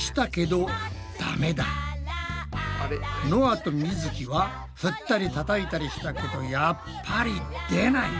あとみづきは振ったりたたいたりしたけどやっぱり出ない。